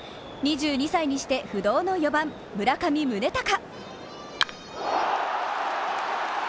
２２歳にして不動の４番・村上宗隆。